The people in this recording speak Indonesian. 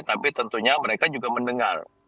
tapi tentunya mereka juga mendengar